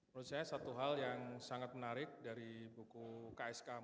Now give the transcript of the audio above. menurut saya satu hal yang sangat menarik dari buku ksk